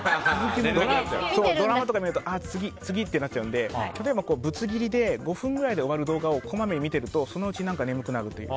ドラマとか見ると次、次ってなっちゃうので例えば、ぶつ切りで５分ぐらいこまめに見てるとそのうち眠くなるという。